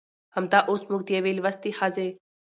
همدا اوس موږ د يوې لوستې ښځې